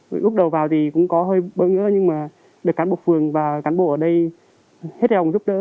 lúc đầu vào thì cũng có hơi bất ngờ nhưng mà được cảnh bộ phường và cảnh bộ ở đây hết đồng giúp đỡ